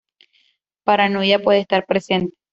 Paranoia puede estar presente.